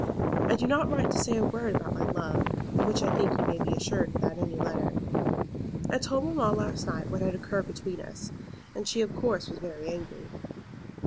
I do not write to say a word about my love, of which I think you may be assured without any letter. I told mamma last night what had occurred between us, and she of course was very angry.